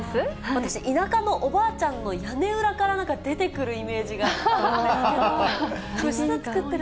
私、田舎のおばあちゃんの屋根裏からなんか出てくるイメージがあって。